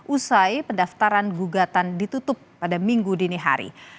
usai pendaftaran gugatan ditutup pada minggu dini hari